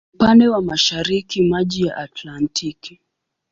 Upande wa mashariki maji ya Atlantiki.